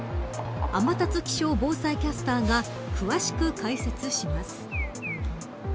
天達気象防災キャスターが詳しく解説します。